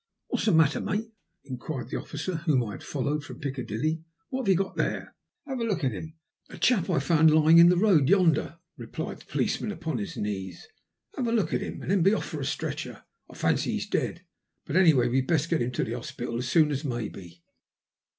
*' What's the matter, mate ?" inquired the officer whom I had followed from Piccadilly. " What have you got there ?"" A chap I found lying in the road yonder," replied the policeman upon his knees. ''Have a look at him, and then be off for a stretcher. I fancy he's dead ; but, anyway, we'd best get him to the hospital as soon as maybe."